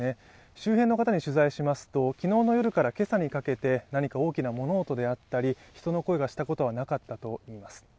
周辺の方に取材しますと昨日の夜から今朝にかけて何か大きな物音であったり、人の声がしたことはなかったといいます。